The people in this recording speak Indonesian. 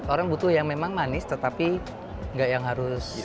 orang butuh yang memang manis tetapi nggak yang harus